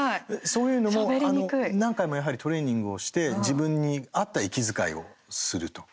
そういうのも何回もやはりトレーニングをして自分に合った息遣いをすると。